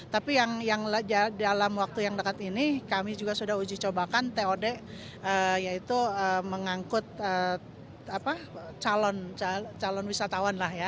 tapi yang dalam waktu yang dekat ini kami juga sudah uji cobakan tod yaitu mengangkut calon wisatawan lah ya